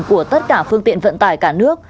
của tất cả phương tiện vận tải cả nước